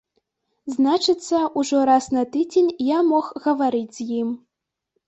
Значыцца, ужо раз на тыдзень я мог гаварыць з ім.